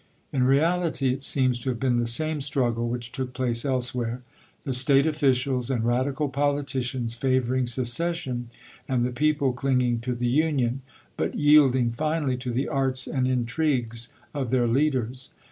In reality it seems to have been the same struggle which took place elsewhere; the State officials and radical politicians favoring secession, and the people clinging to the Union, but yielding finally to the arts and intrigues of their leaders.